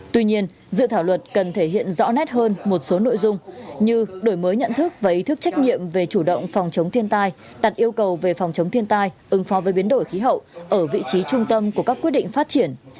tuy nhiên dự thảo luật cần thể hiện rõ nét hơn một số nội dung như đổi mới nhận thức và ý thức trách nhiệm về chủ động phòng chống thiên tai đặt yêu cầu về phòng chống thiên tai ứng phó với biến đổi khí hậu ở vị trí trung tâm của các quyết định phát triển